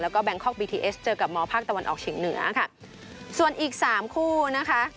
แล้วก็แบงคอกบีทีเอสเจอกับมภาคตะวันออกเฉียงเหนือค่ะส่วนอีกสามคู่นะคะ